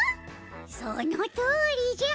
そのとおりじゃ。